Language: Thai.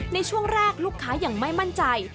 ในช่วงแรกลูกค้ายังไม่มั่นใจ